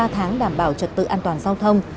ba tháng đảm bảo trật tự an toàn giao thông